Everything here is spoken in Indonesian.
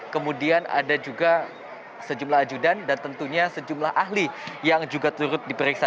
kemudian ada juga sejumlah ajudan dan tentunya sejumlah ahli yang juga turut diperiksa